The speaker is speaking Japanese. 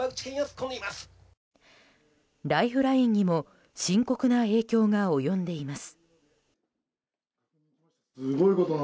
ライフラインにも深刻な影響が及んでいます。